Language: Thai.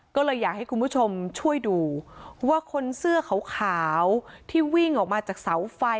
ก็เลยอยากให้คุณผู้ชมช่วยดูว่าคนเสื้อขาวที่วิ่งออกมาจากเสาไฟ